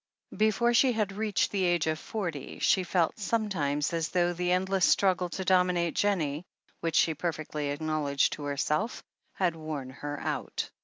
Before she had reached the age of forty she felt sometimes as though the endless struggle to dominate Jennie, which she perfectly acknowledged to herself, had worn her out.